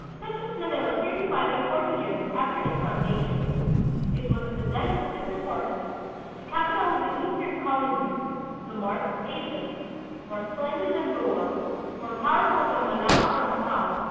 Such was Manila thirty five and forty years after its founda tion. It was at the zenith of its importance, the capital of the eastern colonies, the mart of Asia, more splendid than Goa, more powerful than Malacca or Macao, more 1 Zufiiga: Historia de las Filipinas, p.